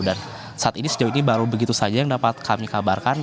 dan saat ini sejauh ini baru begitu saja yang dapat kami kabarkan